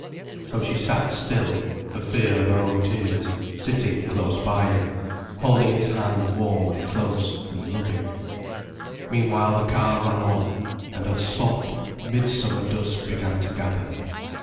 So she sat still, for fear of her own tears, sitting close by him, holding his hand warm and close and loving. Meanwhile the car ran on, and a soft, midsummer dusk began to gather.